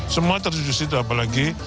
semua terjudis itu apalagi